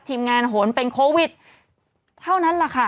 ทีมงานโหนเป็นโควิดเท่านั้นแหละค่ะ